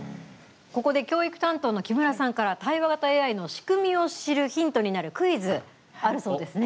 ここで、教育担当の木村さんから対話型ＡＩの仕組みを知るヒントになるクイズ、あるそうですね。